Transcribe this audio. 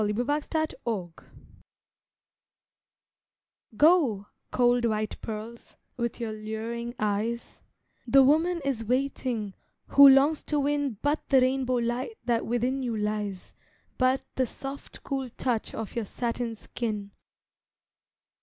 A PEARL NECKLACE Go, cold white pearls, with your luring eyes, The woman is waiting who longs to win But the rainbow light that within you lies, But the soft cool touch of your satin skin.